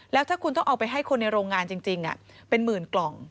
แล้วถ้าคุณต้องเอาไปให้คนในโรงงานจริงเป็นหมื่นกล่อง